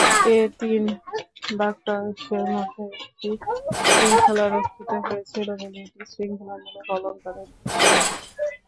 এ তিন বাক্যাংশের মধ্যে একটা শৃঙ্খলা রক্ষিত হয়েছে বলে এটি শৃঙ্খলামূলক অলঙ্কারের দৃষ্টান্ত।